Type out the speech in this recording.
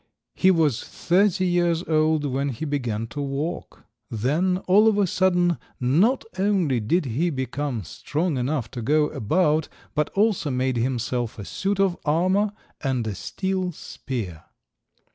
He was thirty years old when he began to walk. Then, all of a sudden, not only did he become strong enough to go about, but also made himself a suit of armour and a steel spear.